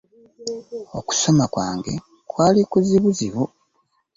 Okusoma kwange kwali kuzibuzibu.